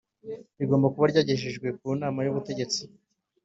rigomba kuba ryagejejwe ku Nama y Ubutegetsi